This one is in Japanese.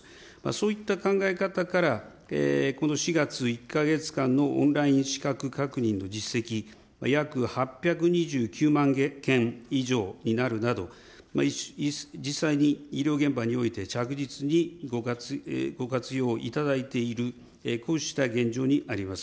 そういった考え方からこの４月、１か月間のオンライン資格確認の実績、約８２９万件以上になるなど、実際に医療現場において着実にご活用いただいている、こうした現状にあります。